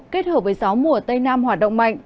kết hợp với gió mùa tây nam hoạt động mạnh